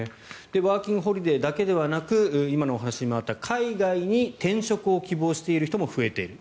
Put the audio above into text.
ワーキングホリデーだけではなく今のお話にもあった海外に転職を希望している人も増えている。